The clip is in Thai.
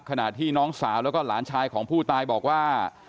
ขณะที่น้องสาวแล้วก็หลานชายของผู้ตายบอกว่า